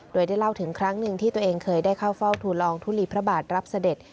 โดยได้เล่าถึงครั้งหนึ่งที่ตัวเองเคยได้เข้าเฝ้าทุลองทุลีพระบาทรับเสด็จ